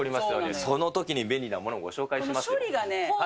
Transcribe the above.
そのときに便利なものをご紹処理がね。